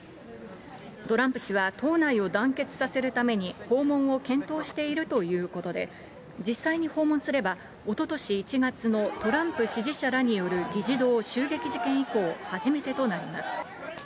トランプ氏は党内を団結させるために、訪問を検討しているということで、実際に訪問すれば、おととし１月のトランプ支持者らによる議事堂襲撃事件以降、初めてとなります。